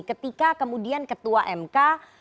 ketika kemudian ketua mk